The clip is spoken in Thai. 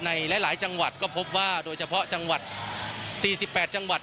ในหลายจังหวัดก็พบว่าโดยเฉพาะจังหวัด๔๘จังหวัด